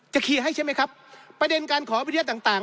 จะเคลียร์ให้ใช่ไหมครับประเด็นการขอบริเวณต่างต่าง